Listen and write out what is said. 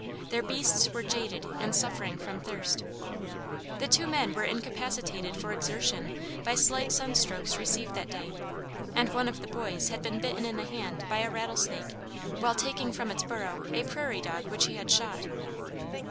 Their beasts were jaded and suffering from thirst. The two men were incapacitated for exertion by slight sun strokes received that day, and one of the boys had been bitten in the hand by a rattlesnake while taking from its burrow a prairie dog which he had shot.